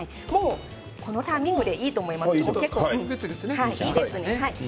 このタイミングでいいと思います。